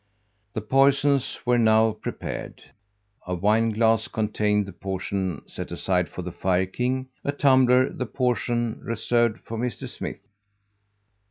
The poisons were now prepared. A wine glass contained the portion set aside for the fire king a tumbler the portion reserved for Mr. Smith.